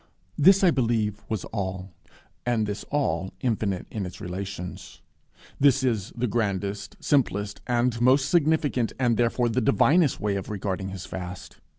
This, I believe, was all and this all infinite in its relations. This is the grandest, simplest, and most significant, and, therefore, the divinest way of regarding his fast.